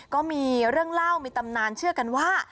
ก็มีเรื่องเล่ามีตำนานเชื่อกันว่า